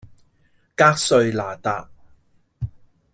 格瑞那達